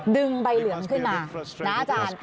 ดึงใบเหลืองขึ้นมานะอาจารย์